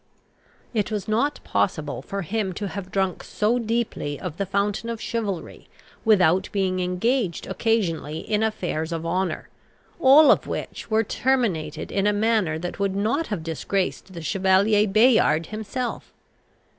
It was not possible for him to have drunk so deeply of the fountain of chivalry without being engaged occasionally in affairs of honour, all of which were terminated in a manner that would not have disgraced the chevalier Bayard himself.